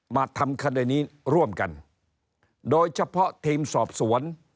มาทำคดีนี้ร่วมกันโดยเฉพาะทีมสอบสวน